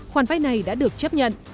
khoản vay này đã được chấp nhận